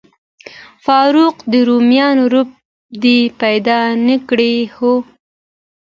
فاروق، د روميانو رب دې پیدا نه کړ؟ هو.